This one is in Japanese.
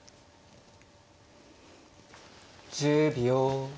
１０秒。